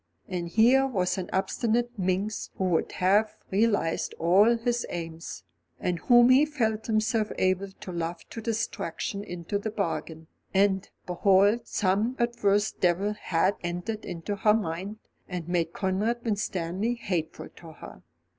And here was an obstinate minx who would have realised all his aims, and whom he felt himself able to love to distraction into the bargain; and, behold, some adverse devil had entered into her mind, and made Conrad Winstanley hateful to her.